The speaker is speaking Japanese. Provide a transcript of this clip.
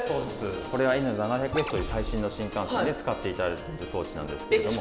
これはＮ７００Ｓという最新の新幹線で使っていただいている装置なんですけども。